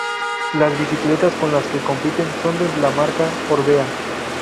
Las bicicletas con las que compiten son de la marca Orbea.